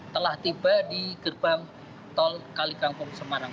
telah tiba di gerbang tol kalikangkung semarang